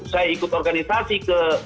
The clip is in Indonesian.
saya ikut organisasi ke